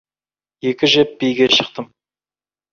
Екі жеп биге шықтым.